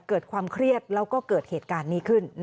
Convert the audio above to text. เกิดความเครียดแล้วก็เกิดเหตุการณ์นี้ขึ้น